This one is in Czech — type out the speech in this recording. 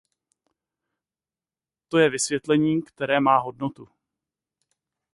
To je vysvětlení, které má hodnotu.